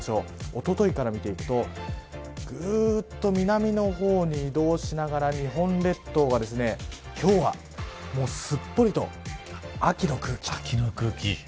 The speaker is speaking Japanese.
おとといから見ていくとぐっと南の方に移動しながら日本列島が今日はすっぽりと秋の空気と。